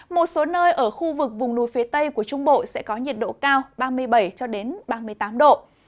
một số nơi ở khu vực vùng núi phía tây của trung bộ sẽ có nhiệt độ cao ba mươi bảy ba mươi tám độ